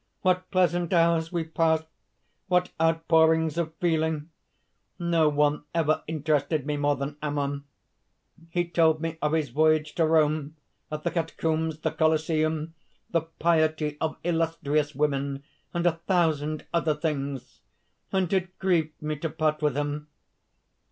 What pleasant hours we passed! what out pourings of feeling! No one ever interested me more than Ammon: he told me of his voyage to Rome, of the Catacombs, the Coliseum, the piety of illustrious women, and a thousand other things! and it grieved me to part with him!